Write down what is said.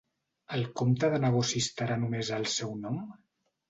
El compte de negoci estarà només al seu nom?